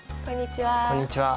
こんにちは。